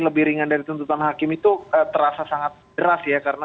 lebih ringan dari tuntutan hakim itu terasa sangat deras ya karena